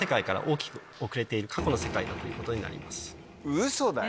ウソだよ。